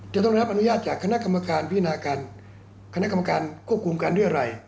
จะต้องได้รับอนุญาตจากคณะกรรมการพินาการคณะกรรมการควบคุมการเรียรัย